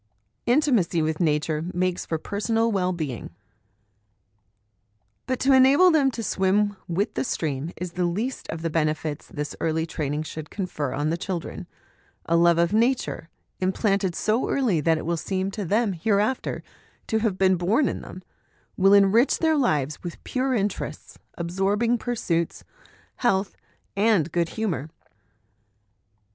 Intimacy with Nature makes for Personal Well being. But to enable them to swim with the stream is the least of the benefits this early training should confer on the children ; a love of Nature, im planted so early that it will seem to them hereafter to have been born in them, will enrich their lives with pure interests, absorbing pursuits, health, and good humour.